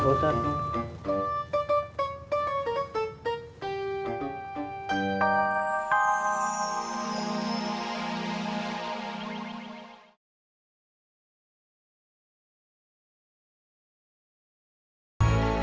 boleh pak wajad